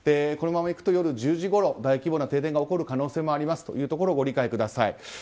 このままいくと、夜１０時ごろ大規模な停電が起こる可能性もありますということをご理解ください。